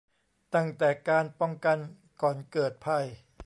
ตั้งแต่การป้องกันก่อนเกิดภัย